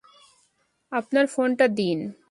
আপনার ফোনটা দিন।